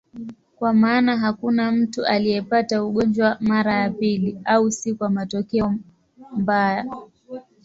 Kwa maana hakuna mtu aliyepata ugonjwa mara ya pili, au si kwa matokeo mbaya.